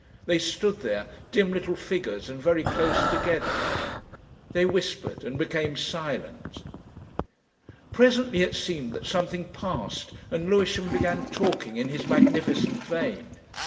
They stood there, dim little figures and very close together. They whispered and became silent. Presently it seemed that something passed and Lewisham began talking in his magnificent vein.